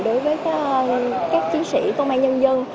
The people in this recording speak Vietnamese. đối với các chính sĩ công an nhân dân